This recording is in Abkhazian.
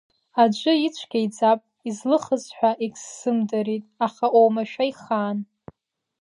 Аӡәы ицәгьа иӡап, излыхыз ҳәа егьсзымдрит, аха оумашәа ихаан.